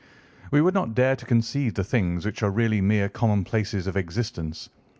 We would not dare to conceive the things which are really mere commonplaces of existence.